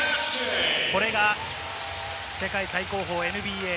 これが世界最高峰、ＮＢＡ。